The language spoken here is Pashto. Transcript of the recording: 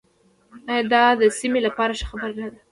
آیا دا د سیمې لپاره ښه خبر نه دی؟